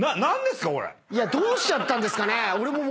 どうしちゃったんですかね。